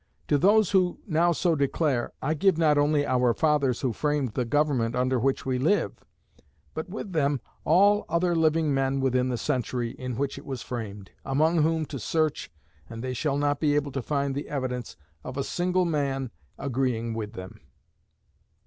To those who now so declare, I give not only our fathers who framed the government under which we live, but with them all other living men within the century in which it was framed, among whom to search, and they shall not be able to find the evidence of a single man agreeing with them.